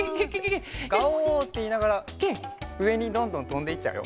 「ガオー！」っていいながらうえにどんどんとんでいっちゃうよ。